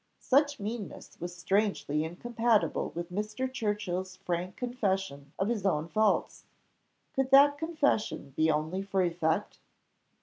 Such meanness was strangely incompatible with Mr. Churchill's frank confession of his own faults. Could that confession be only for effect?